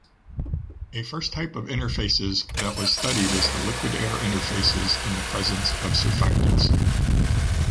A first type of interfaces that was studied is the liquid-air interfaces in the presence of surfactants.